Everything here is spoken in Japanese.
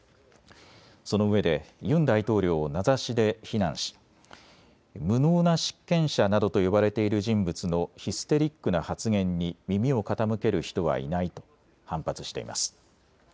そのうえでユン大統領を名指しで非難し無能な執権者などと呼ばれている人物のヒステリックな発言に耳を傾ける人はいないと反発しています。